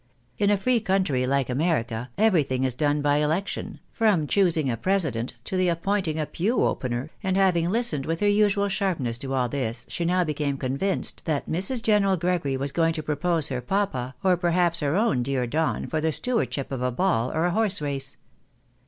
In a free country like America, everything is done by election, from choosing a president, to the appointing a pew opener, and having listened with her usual sharpness to all this, she now became con vinced that Mrs. General Gregory was going to propose her papa, or perhaps her own dear Don, for the stewardship of a ball, or a horse race.